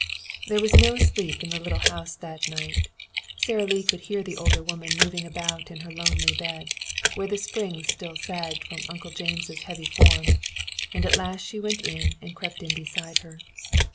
There was no sleep in the little house that night. Sara Lee could hear the older woman moving about in her lonely bed, where the spring still sagged from Uncle James' heavy form, and at last she went in and crept in beside her.